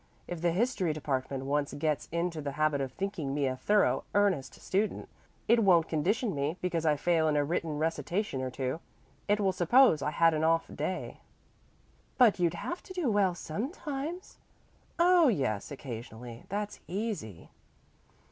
If the history department once gets into the habit of thinking me a thorough, earnest student, it won't condition me because I fail in a written recitation or two. It will suppose I had an off day." "But you'd have to do well sometimes." "Oh, yes, occasionally. That's easy."